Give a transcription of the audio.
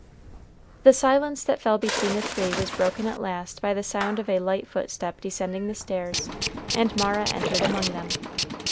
The silence that fell between the three was broken at last by the sound of a light footstep descending the stairs, and Mara entered among them.